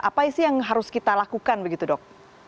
apa sih yang harus kita lakukan begitu dok